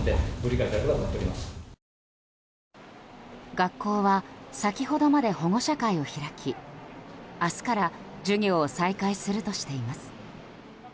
学校は先ほどまで保護者会を開き明日から授業を再開するとしています。